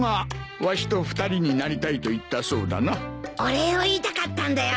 お礼を言いたかったんだよ。